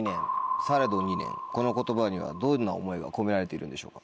この言葉にはどんな思いが込められているんでしょうか？